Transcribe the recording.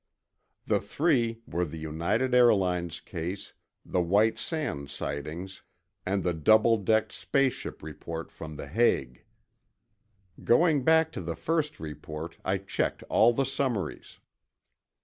The three were the United Airlines case, the White Sands sightings, and the double decked space ship report from The Hague. Going back to the first report, I checked all the summaries.